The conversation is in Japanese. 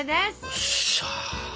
よっしゃ！